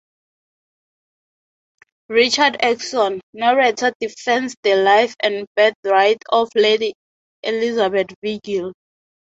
Richard Exon (narrator) defends the life and birthright of Lady Elizabeth Virgil.